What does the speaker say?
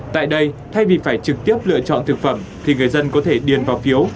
tại đây thay vì phải trực tiếp lựa chọn thực phẩm thì người dân có thể điền vào phiếu